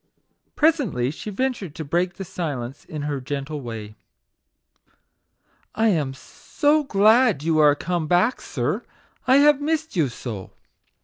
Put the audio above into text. Pre sently she ventured to break the silence in her gentle way t( I am so glad you are come back, sir ; I have missed you so